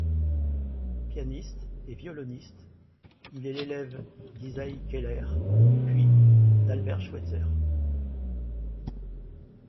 Pianiste et violoniste, il est l'élève d'Isaïe Keller puis d'Albert Schweitzer.